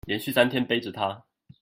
連續三天背著她